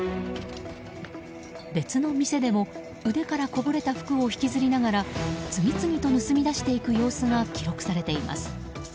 別の店でも、腕からこぼれた服を引きずりながら次々と盗み出していく様子が記録されています。